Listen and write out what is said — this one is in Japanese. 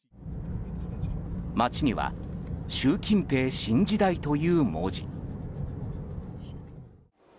街には習近平新時代という文字。